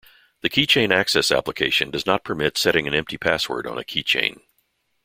The Keychain Access application does not permit setting an empty password on a keychain.